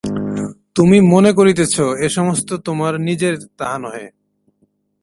তুমি মনে করিতেছ, এ-সমস্ত তোমার নিজের–তাহা নহে।